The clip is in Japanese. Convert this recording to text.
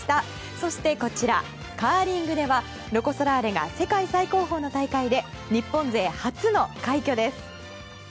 そしてカーリングではロコ・ソラーレが世界最高峰の大会で日本勢初の快挙です。